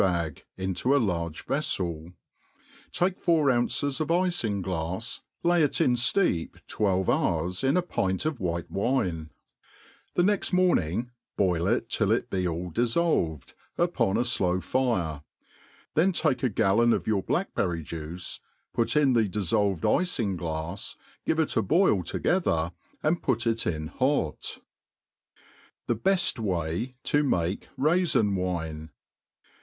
bag, iiito a large yeflcl ; tak^ four ounces of ifinglafs, lay it in fteep twelve hours in a pint of white* wine 5 the next morning boil it till it te all diffolved, upon a flow fire ; then take a gallon of your blackberry juice, put in the diffolved ifinglafi, giv^ it a boij ^ together, and put it in hot* ^ T!be heft Way U make Raiftn Wine.